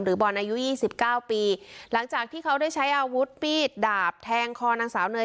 บอลอายุยี่สิบเก้าปีหลังจากที่เขาได้ใช้อาวุธมีดดาบแทงคอนางสาวเนย